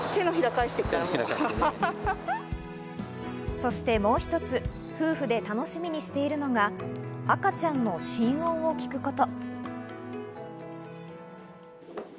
そしてもう一つ、夫婦で楽しみにしているのが、赤ちゃんの心音を聞くこと。